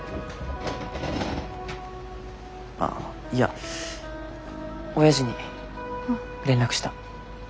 ああいやおやじに連絡した。